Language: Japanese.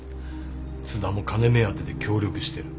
津田も金目当てで協力してる